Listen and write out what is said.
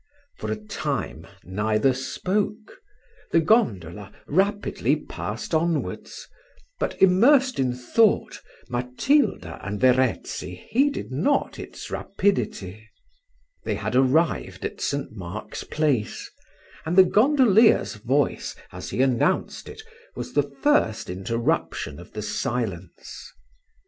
For a time neither spoke: the gondola rapidly passed onwards, but, immersed in thought, Matilda and Verezzi heeded not its rapidity. They had arrived at St. Mark's Place, and the gondolier's voice, as he announced it, was the first interruption of the silence.